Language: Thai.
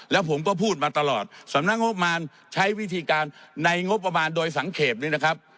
แล้วผมก็พูดมาตลอดสำนักงบมารใช้วิธีการในงบประมาณโดยสังเกตนี้นะครับ